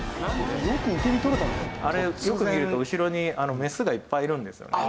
あれよく見ると後ろにメスがいっぱいいるんですよね。